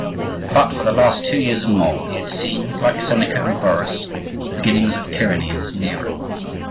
But, for the last two years and more, he had seen, like Seneca and Burrhus, the beginnings of tyranny in his Nero.